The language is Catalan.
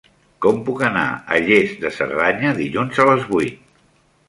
Com puc anar a Lles de Cerdanya dilluns a les vuit?